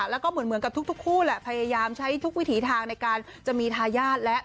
แล้วก็เหมือนกับทุกคู่แหละพยายามใช้ทุกวิถีทางในการจะมีทายาทแล้ว